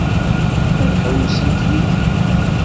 Ad ḥewwsent yid-i?